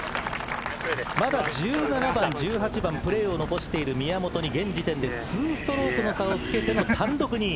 まだ１７番１８番プレーを残している宮本に現時点で２ストロークの差をつけての単独２位。